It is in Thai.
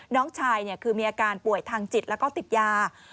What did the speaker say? น้องชายคือมีอาการป่วยทางจิตแล้วก็ติดยา